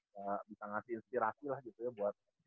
jadi bisa ngasih inspirasi lah gitu ya buat